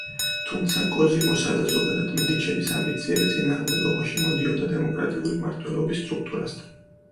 თუმცა, კოზიმოსა და ზოგადად მედიჩების ამბიციები წინააღმდეგობაში მოდიოდა დემოკრატიული მმართველობის სტრუქტურასთან.